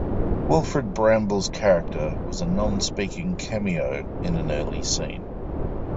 Wilfred Brambell's character was a non-speaking cameo in an early scene.